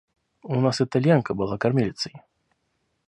У нас Итальянка была кормилицей.